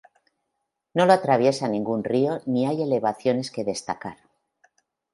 No lo atraviesa ningún río ni hay elevaciones que destacar.